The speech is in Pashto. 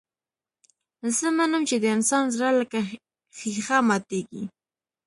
زه منم چې د انسان زړه لکه ښيښه ماتېږي.